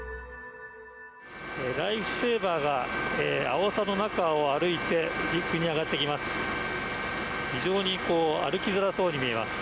ライフセーバーがアオサの中を歩いて陸に上がっていきます。